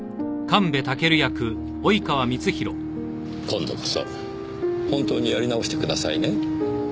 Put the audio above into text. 今度こそ本当にやり直してくださいね。